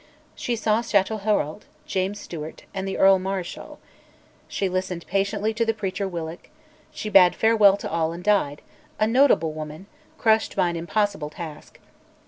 She saw Chatelherault, James Stewart, and the Earl Marischal; she listened patiently to the preacher Willock; she bade farewell to all, and died, a notable woman, crushed by an impossible task.